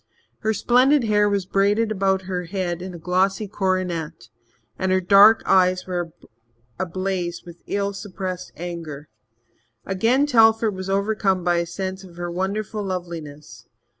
Her splendid hair was braided about her head in a glossy coronet, and her dark eyes were ablaze with ill suppressed anger. Again Telford was overcome by a sense of her wonderful loveliness.